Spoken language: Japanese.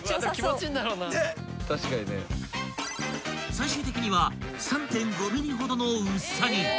［最終的には３．５ｍｍほどの薄さに］